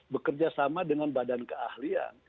bekerja sama dengan badan keahlian